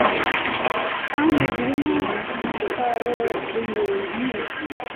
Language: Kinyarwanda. kandi zirimo calories nke,